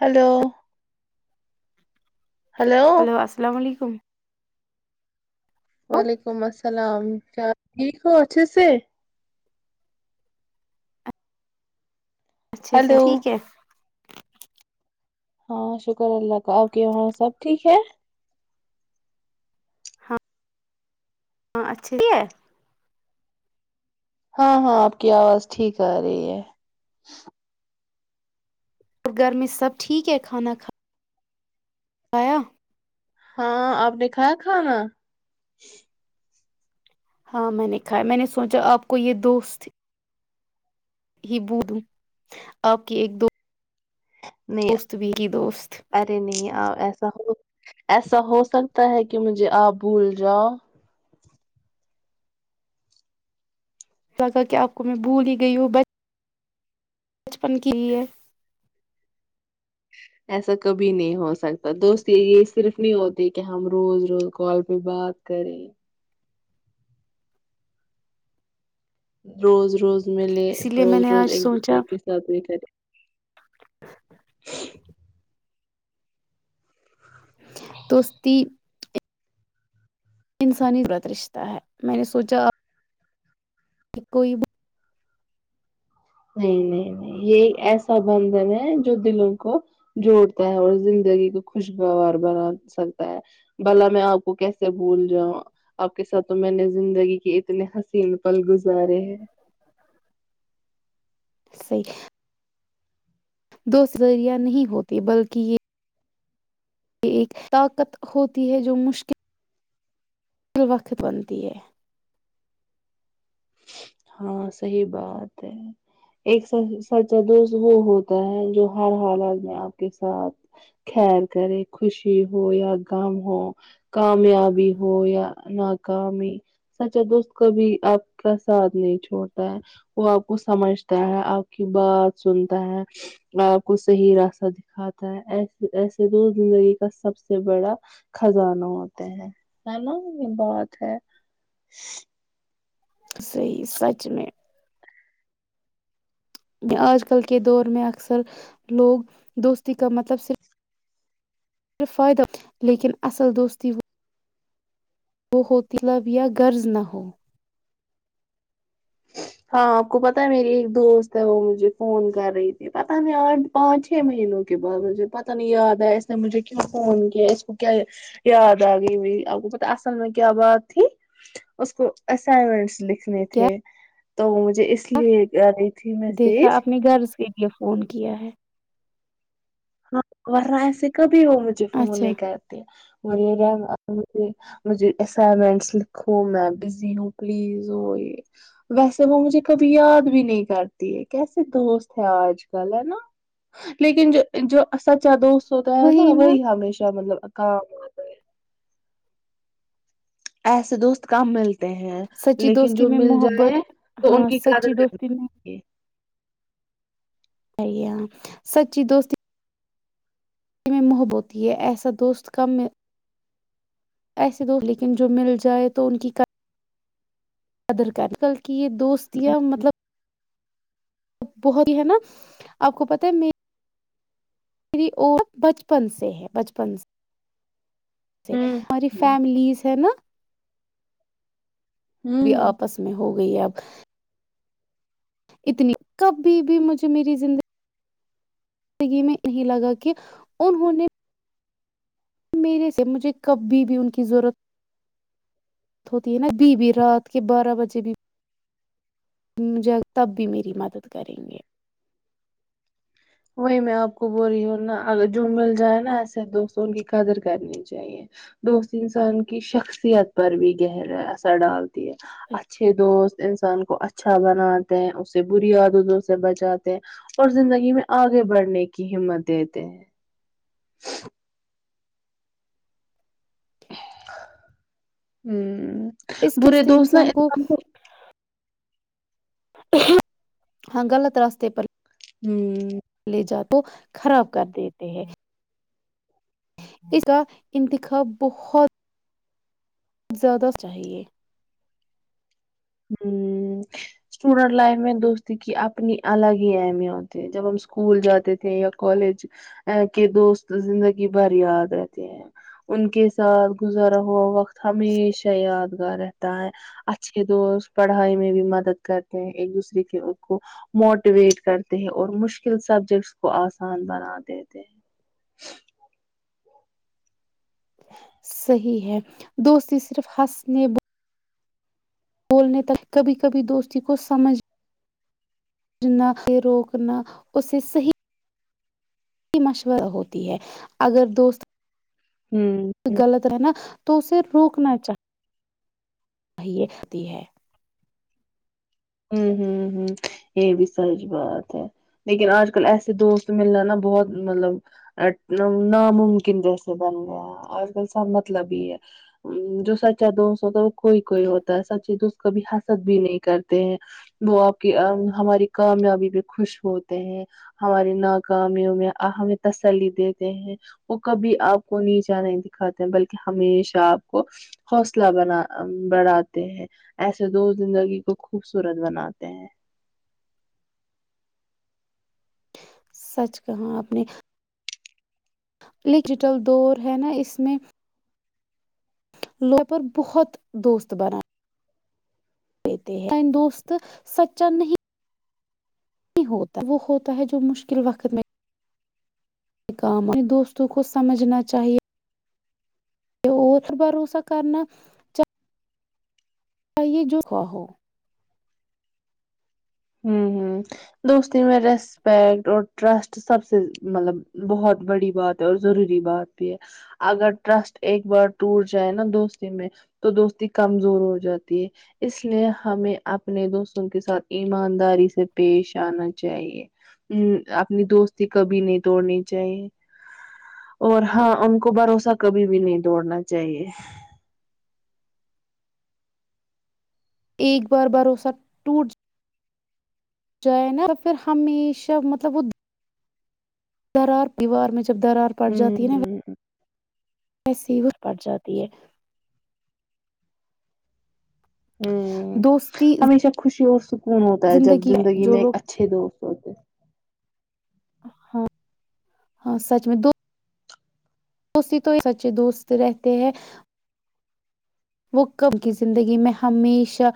hello hello السلام علیکم وعلیکم السلام کیا ٹھیک ہو اچھے سے اچھے سے ہلو ٹھیک ہے ہاں شکر اللہ کا آپ کے وہاں سب ٹھیک ہے ہاں ہاں اچھا ہے ہاں ہاں آپ کی آواز ٹھیک آ رہی ہے اور گھر میں سب ٹھیک ہے کھانا کھا بایا ہاں آپ نے کھایا کھانا ہاں میں نے کھایا میں نے سوچا آپ کو یہ دوست ہی ب د آپ کی ایک دو نہیں دوست ارے نہیں آ ایسا ہو ایسا ہو سکتا ہے کہ مجھے آپ بھول جاؤ لگا کہ آپ کو میں بھول ہی گئی ہوں بچ بچپن کی لی ہے ایسا کبھی نہیں ہو سکتا دوست یہ صرف نہیں ہوتی کہ ہم روز روز کال پہ بات کریں روز روز ملے اسی لیے میں روز نے روز آج ایک سوچا دوسرے کے ساتھ بھی کرے توستی یہ انسانی غلط رشتہ ہے میں نے سوچا کوئی نہیں نہیں نہیں یہ ایک ایسا بندھن ہے جو دلوں کو جوڑتا ہے اور زندگی کو خوشگوار بنا سکتا ہے بلا میں آپ کو کیسے بھول جاؤں آپ کے ساتھ تو میں نے زندگی کے اتنے حسین پل گزارے ہیں صی دو ظریعہ نہیں ہوتے بلکہ یہ یہ ایک طاقت ہوتی ہے جو مشکل مل وقت بنتی ہے ہاں صحی بات ہے ایک سچا دوست وہ ہوتا ہے جو ہر حالات میں آپ کے ساتھ خیر کرے خوشی ہو یا غم ہو کامیابی ہو یا ناکامی سچا دوست کا بھی آپ کا ساتھ نہیں چھوڑتا ہے وہ آپ کو سمجھتا ہے آپ کی بات سنتا ہے آپ کو صحیح راستہ دکھاتا ہے ایسے ایسے تو زندگی کا سب سے بڑا خزانہ ہوتے ہیں ہے نا یہ بات ہے صحیح سچ میں آج کل کے دور میں اکثر لوگ دوستی کا مطلب صرف پھر فائدہ لیکن اصل دوستی ہو وہ ہوتلب یا غرض نہ ہو ہاں آپ کو پتاہ میری ایک دوست ہے وہ مجھے فون کر رہی تھی پتہ نہیں آٹ پانچ چھ مہینوں کے بعد مجھے پتہ نہیں یاد آیا اس نے مجھے کی فون کیا اس کو کیا یاد آ گئی م آپ کو پتا اصل میں کیا بات تھی اس کو اسائمنٹس ل نہیں کیا تھے تو مجھے اس لیے تھی دیکھا میسج اپنی رض کی یہ فون کیا ہے ہاں اور رہا ایسے کب بھی وہ مجھے فون اچھا نہیں کرتے اورے ر مجھ مجھے اسائنمنٹس لکھوں میں بزی ہوں پلیز وہ یہ ویسے وہ مجھے کبھی یاد بھی نہیں کرتی ہے کیسے دوست ہے آج کل ہے نا لیکن جو جوب بچا دوستوں تو ہے نا وہی ہمیشہ مطلب ا کا ایسے دوست کم ملتے ہیں سچی لیکن دوستی جو میں مل جائے محبت تو ان ہاں کی سچی قادت دوستی میں کرنییے ہے ہاں سچی دوستی میں محبوت ہے ایسا دوست کم ایسے دوست لیکن جو مل جائے تو ان کی ادر کیمیکل کہ یہ دوستیاں مطلب بہت ہی ہے نا آپ کو پت ہے میری اور بچپن سے ہے بچپن سے ہوں ہماری فیملیز ہے نا وہ بھی ہوں آپس میں ہوگی گئی اب اتنی کبھی بھی مجھے میری زندگی زندگی میں یہی لگا کہ انہوں نے میرے سے مجھے کب بی بھی ان کی ضرورتت ہوتی ہے نا ا بی بھی رات کے بارہ بجے بی مجھے تب بھی میری مدد کریں گے وہی میں آپ کو بول رہی ہوں نا اگر جو مل جائے نا ایسے دوستوں کی قدر کرنی چاہیے دوست انسان کی شخصیت پر بھی گہرا اثر ڈالتا اچھے دوست انسان کو اچھا بناتے ہیں اسے بری عدذوں سے بچاتے ہیں اور زندگی میں آگے بڑھنے کی ہمت دیتے ہیں ہوں اس کے اس برے دوست ن انسان کو ہاں غلط راستے پر ہوں کو خراب کر دیتے ہیں اس کا انتخاب بہت زیادہ چاہیے ہ اسٹوڈینٹ لائف میں دوست کی اپنی الگ ہی اہمیت ہے جب ہم اسکول جاتے تھے یا کالج کے دوست زندگی بھر یاد رہتے ہیں ان کے ساتھ گزارا ہوا وقت ہمیشہ یادگار ہے تا ہے اچھے دوست پڑھائی میں بھی مدد کرتے ہیں ایک دوسرے کے کو موٹیویٹ کرتے ہیں اور مشکل سبجیکٹس کو آسان بنا دیتے ہیں صحیح ہے دوستی صرف ہنسنے بولنے تک کبھی کبھی دوستی کو سمجھ سھنا اسے روکنا اسے صحیح مشورہ ہوتی ہے اگر دوست ہوں غلط ہے نا تو اسے روکنا چاہے چاہیےتی ہے ہ ہ ہ یہ بھی سچ بات ہے لیکن آج کل ایسے دوست ملنا نا بہت مطلب ناممکن جیسے بن گیا آج کل سب مطلب ہی ہے جو سچا دوست ہوتا ہے وہ کوئی کوئی ہوتا ہے سچے دوست کبھی حنسد بھی نہیں کرتے وہ آپ کی ہماری کامیابی پہ خوش ہوتے ہیں ہماری ناکامیوں میں ہمیں تسلی دیتے ہیں وہ کبھی آپ کو نیچا نہیں دکھاتے بلکہ ہمیشہ آپ کو حوصلہ ب بڑاتے ہیں ایسے دو زندگی کو خوبصورت بناتے ہیں سچ کہاں آپ نے ڈیجیٹل دور ہے نا اس میں لوپر بہت دوست بنان کہتے ہیں دوست سچا نہیں نہیں ہوتا وہ ہوتا ہے جو مشکل وقت میں یہ کام اپنے دوستوں کو سمجھنا چاہیے کہ اور بھروسہ کرنا چاہ چاہیے جو خواہ ہو ہ ہ دوستی میں ریسپیکٹ اور ٹرسٹ سب سے مطلب بہت بڑی بات ہے اور ضروری بات بھی ہے اگر ٹرسٹ ایک بار ٹوٹ جائے نا دوستی میں تو دوستی کمزور ہو جاتی ہے اس لیے ہمیں اپنے دوستوں کے ساتھ ایمانداری سے پیش آنا چاہیے ا اپنی دوستی کبھی نہیں توڑنی چاہیے اور ہاں ان کو بھروسہ کبھی بھی نہیں دوڑنا چاہیے ایک بار بھروسہ ٹوٹ ج جائے نا پھر ہمیشہ مطلب وہ ثرار پیوار م میں جب درار پڑ ہوں جاتی ہے نا [unintelligible] ہوں مصیورت پڑ جاتی ہے ہوں دوستی ہمیشہ خوشی ہو خون ہوتا ہے جب ہے زندگی جو میں ایک لوگ اچھے دوست ہوتے ہاں ہاں سچ میں دو دوستی تو ایک سچے دوست رہتے ہیں وہ کم کی زندگی میں ہمیشہ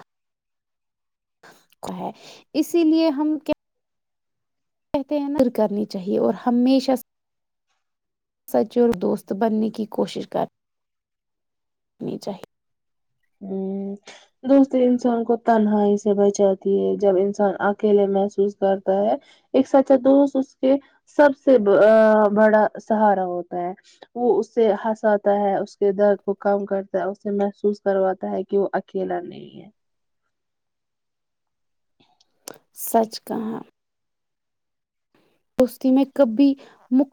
کو ہے اسی لیے ہم کیا کہتے نر کرنی چاہیے اور ہمیشہ سچی اور دوست بننے کی کوشش کرنی چاہے دوست انسان کو تنہائی سے بچاتی ہے جب انسان اکیلے محسوس کرتا ہے ایک سچا دوست اس کے سب سے بڑا سہارا ہوتا ہے وہ اس سے ہنساتا ہے اس کے درد کو کم کرتا ہے اسے محسوس کرواتا ہے کہ وہ کھیلا نہیں ہے سچ کہاں دوستی میں کبھی مک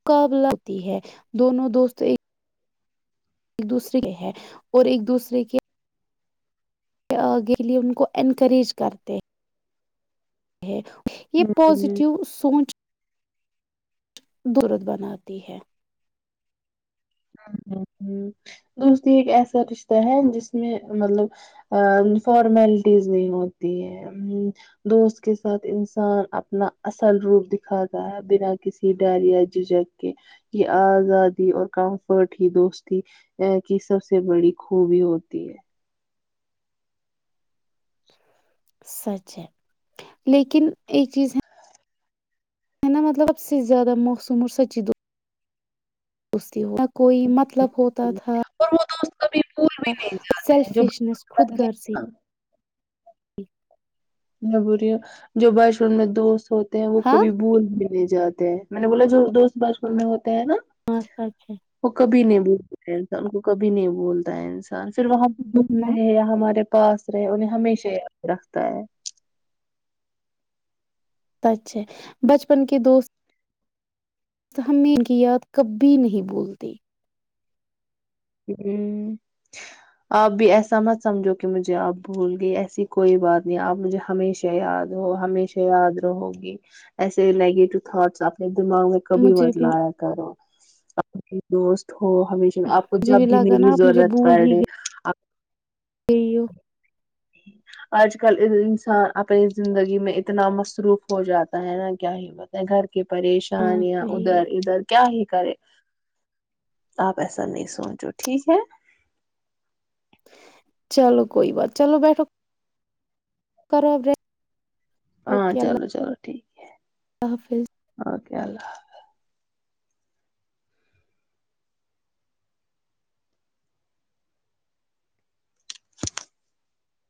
مقابلہ ہوتی ہے دونوں دوست ایک ایک دوسرے کے ہے اور ایک دوسرے کے آگے کے لئے ان کو انکریج کرتے ہیں [unintelligible] یہ یہ ہوں پازیٹو سوونچ دورت بناتی ہے ہ ہ ہ دوستی ایک ایسا رشتہ ہے جس میں مطلب فارملٹیز نہیں ہوتی ہے دوست کے ساتھ انسان اپنا اصل روپ دکھاتا ہے بنا کسی ڈر یا جھجک کے یہ آزادی اور کا ٹ ہی دوستی ا کی سب سے بڑی خوبی ہوتی ہے سچ ہے لیکن ایک چیز ہے میں نا مطلب اب سے زیادہ موسم اور سچی دو دوستی ہو [inaudible] کوئی مطلب ہوتا ہم، تھا اور وہ دوست کبھی بھول بھی نہیں جاتے ہیں جو سیلفشنس خود بنتے ہیں غرضی نا، جٹ میں بیا جو بش میر دوست ہوتے ہیں وہ ہاں کبھی بھول بھی لے جاتے ہیں میں نے بولے جو دوست باس میں ہو نا ہاں سچ ہے وہ کبھی نہیں ب ان کو کبھی نہیں بولتا ہے انسان پھر وہاں ڈھوم نہ رہے ہیں ہمارے پاس رہے انہیں ہمیشے رکھتا ہے [unintelligible] اچھے بچپن کے دوست تو ہمیں ان کی یاد کبھی نہیں بھولتی ہ آپ بھی ایسا مت سمجھو کہ مجھے آپ بھول گئے ایسی کوئی بات نہیں آپ مجھے ہمیشہ یاد ہو ہمیشہ یاد رہو گی ایسے نگیٹو تھاٹس آپ نے دماغ میں کبھی مجھے مد ل بھی آیا کرو نست ہو ہمیشہ میں مجھے جب بھی لگا میری نا آپ مجھے ضرورت بھول پڑ ہی رہے ہ ہ گئی ہو آج کل انسان اپنی زندگی میں اتنا مصروف ہو جاتا ہے نا کیا ہی ہوت ہے گھر کہ ہاں پریشانیاں صحیح ادھر ہے ادھر کیا ہے کرے آپ ایسا نہیں س سوچو ٹھیک ہے چلو کوئی بات چلو بیٹھو کرو آب ہاں چلو چلو ٹھیک ہے ححافظ بکے اللہ حافظ